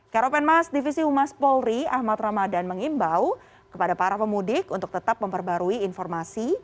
karopenmas divisi umas polri ahmad ramadan mengimbau kepada para pemudik untuk tetap memperbarui informasi